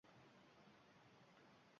Yuqori sinfda o‘qigan paytlarimiz edi.